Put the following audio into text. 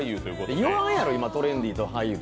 言わんやろ、今、トレンディー俳優。